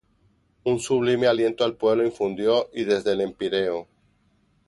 un sublime aliento al pueblo infundió. y desde el Empíreo